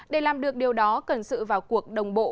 để làm được điều đó cần sự vào cuộc đồng bộ